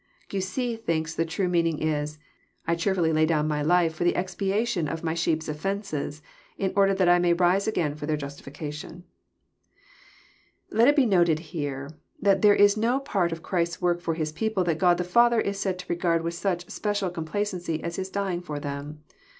Gayse thlnlLS the true meaning is, I cheerAilly lay down my life for the expiation of my sheep's offences, in order that I may rise again for their Justiflcation." Let it be noted here, that there is no part of Christ's work for His people that God the Father is said to regard with such special complacency as His dying for them.